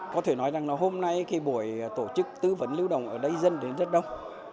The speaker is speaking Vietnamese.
có thể nói rằng là hôm nay cái buổi tổ chức tư vấn lưu đồng ở đây dân đến rất đông